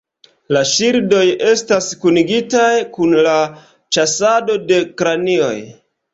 La ŝildoj estas kunigitaj kun la ĉasado de kranioj.